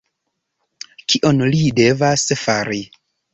Kion li devas fari?